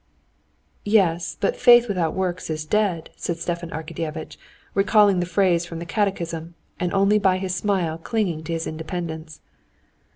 "Yes, but faith without works is dead," said Stepan Arkadyevitch, recalling the phrase from the catechism, and only by his smile clinging to his independence.